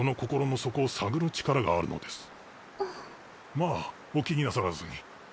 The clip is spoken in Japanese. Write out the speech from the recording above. まあお気になさらずに。